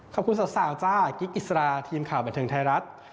สาวจ้ากิ๊กอิสราทีมข่าวบันเทิงไทยรัฐ